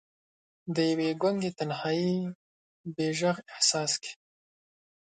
د یوې ګونګې تنهايۍ بې ږغ احساس کې